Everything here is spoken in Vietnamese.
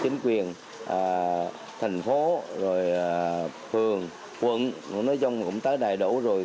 chính quyền thành phố rồi phường quận nói chung cũng tới đầy đủ rồi